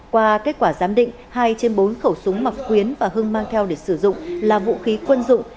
qua kết quả giám định hai trên bốn khẩu súng mặc quyến và hưng mang theo để sử dụng là vũ khí quân dụng